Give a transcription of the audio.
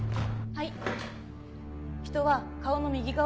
はい。